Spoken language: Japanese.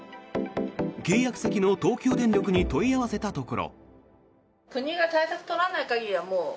契約先の東京電力に問い合わせたところ。